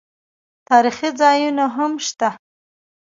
تاریخي ځایونه هم شته.